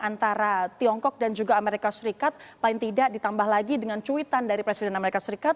antara tiongkok dan juga amerika serikat paling tidak ditambah lagi dengan cuitan dari presiden amerika serikat